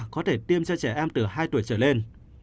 có thể tiêm cho trẻ em từ hai tuổi trở lên